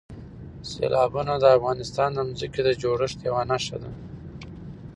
سیلابونه د افغانستان د ځمکې د جوړښت یوه نښه ده.